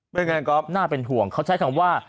อย่างโหงน่ะก๊อฟน่าเป็นห่วงเขาใช้คำว่า